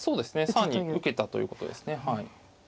更に受けたということですね。